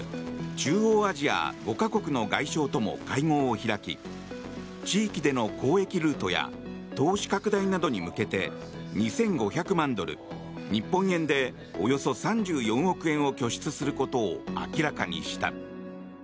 中央アジア５か国の外相とも会合を開き地域での交易ルートや投資拡大などに向けて２５００万ドル日本円でおよそ３４億円を拠出することを明らかにした。